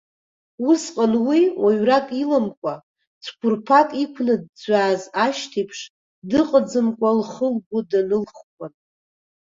Усҟан уи, уаҩрак иламкәа, цәқәырԥак иқәнаӡәӡәааз ашьҭеиԥш, дыҟаӡамкәа лхы-лгәы данылхуан.